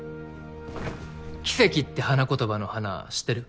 奇跡って花言葉の花知ってる？